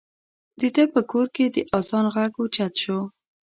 د ده په کور کې د اذان غږ اوچت شو.